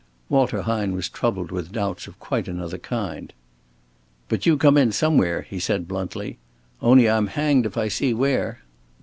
Walter Hine was troubled with doubts of quite another kind. "But you come in somewhere," he said, bluntly. "On'y I'm hanged if I see where."